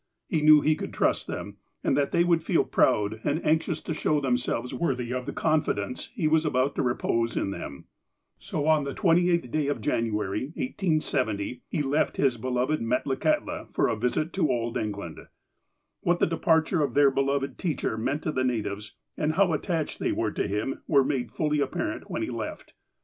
He knew he could trust them, and that they would feel proud and anxious to show themselves worthy of the confidence he was about to repose in them. So, on the 28th day of January, 1870, he left his be loved Metlakahtla for a visit to old England. What the departure of their beloved teacher meant to the natives, and how attached they were to him, were made fully apparent when he left.